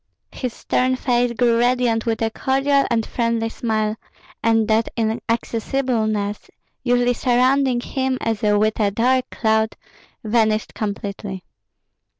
His stern face grew radiant with a cordial and friendly smile, and that inaccessibleness usually surrounding him as with a dark cloud vanished completely.